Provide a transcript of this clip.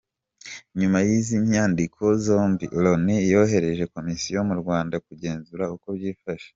Nyuma y’izi nyandiko zombi, Loni yohereje Komisiyo mu Rwanda kugenzura uko byifashe.